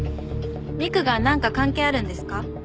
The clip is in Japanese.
美玖がなんか関係あるんですか？